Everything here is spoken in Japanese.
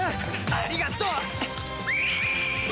ありがとう。